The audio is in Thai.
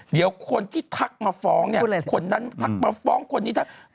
เดี๋ยวคนที่ทักมาฟ้องเนี่ยคนนั้นทักมาฟ้องคนนี้ทัก